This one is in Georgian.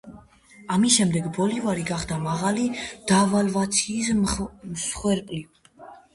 ამის შემდეგ ბოლივარი გახდა მაღალი დევალვაციის მსხვერპლი.